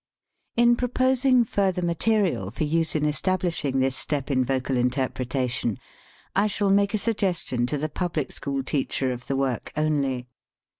In proposing further material for use in establishing this step in vocal interpretation, I shall make a suggestion to the public school teacher of the work only.